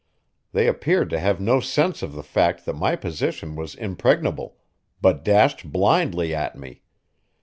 They appeared to have no sense of the fact that my position was impregnable, but dashed blindly at me.